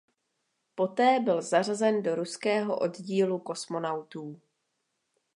Poté byl zařazen do ruského oddílu kosmonautů.